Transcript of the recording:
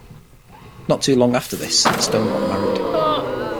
Not too long after this, Stone got married.